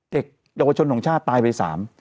เด็กเยาวชนของชาติตายไป๓